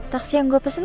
taksi yang gue pesen